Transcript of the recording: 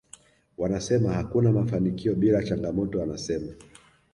Wanasema hakuna mafanikio bila changamoto anasema